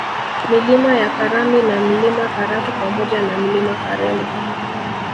Milima ya Karambi na Mlima Karatu pamoja na Mlima Karema